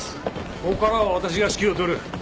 ここからは私が指揮を執る。